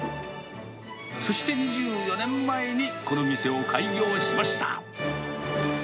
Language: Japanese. そして２４年前にこの店を開業しました。